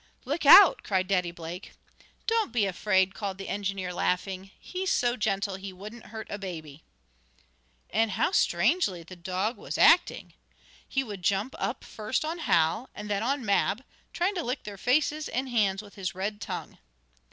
"Look out!" cried Daddy Blake. "Don't be afraid!" called the engineer, laughing. "He's so gentle he wouldn't hurt a baby!" And how strangely the dog was acting! He would jump up first on Hal, and then on Mab, trying to lick their faces and hands with his red tongue.